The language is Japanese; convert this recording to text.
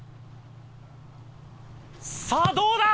さあどうだ？